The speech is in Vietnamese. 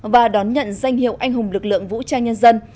và đón nhận danh hiệu anh hùng lực lượng vũ trang nhân dân